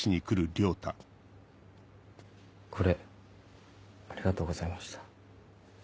これありがとうございました。